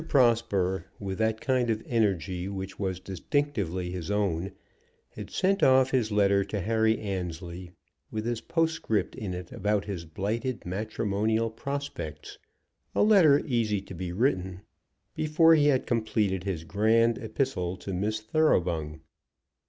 Prosper, with that kind of energy which was distinctively his own, had sent off his letter to Harry Annesley, with his postscript in it about his blighted matrimonial prospects, a letter easy to be written, before he had completed his grand epistle to Miss Thoroughbung.